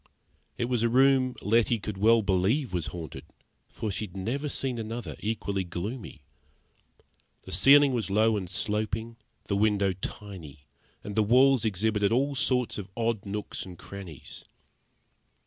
It was a room Letty could well believe was haunted, for she had never seen another equally gloomy. The ceiling was low and sloping, the window tiny, and the walls exhibited all sorts of odd nooks and crannies.